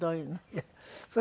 いやそれが。